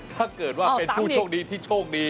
ถ้าเกิดว่าเป็นผู้โชคดีที่โชคดี